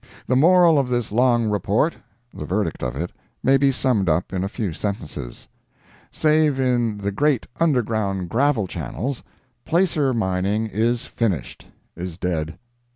The moral of this long report—the verdict of it—may be summed up in a few sentences: Save in the great underground gravel channels, "placer" mining is finished—is dead.